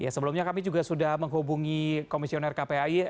sebelumnya kami juga sudah menghubungi komisioner kpai